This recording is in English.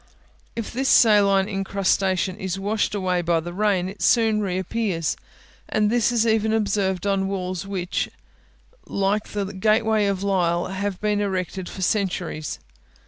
If this saline incrustation is washed away by the rain, it soon re appears; and this is even observed on walls which, like the gateway of Lisle, have been erected for centuries.